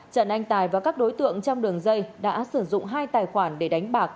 trần anh tài và các đối tượng trong đường dây đã sử dụng hai tài khoản để đánh bạc